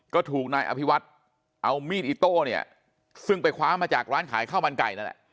ก็ถูกนายอภิวัฒน์เอามีดอิโต้เนี่ยซึ่งไปคว้ามาจากร้านขายข้าวมันไก่นั่นแหละ